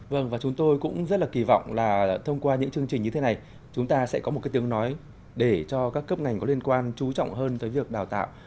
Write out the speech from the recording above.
vâng và chúng tôi cũng rất là kỳ vọng là thông qua những chương trình như thế này chúng ta sẽ có một cái tiếng nói để cho các cấp ngành có liên quan trú trọng hơn tới việc đào tạo